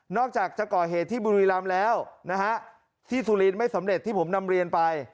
อกจากจะก่อเหตุที่บุรีรำแล้วนะฮะที่สุรินทร์ไม่สำเร็จที่ผมนำเรียนไป